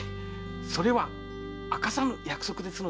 それは明かさぬ約束ですので。